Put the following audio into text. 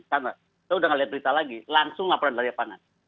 saya sudah nggak lihat berita lagi langsung laporan dari lapangan